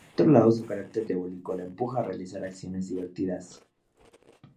Por otro lado, su carácter diabólico la empuja a realizar acciones divertidas.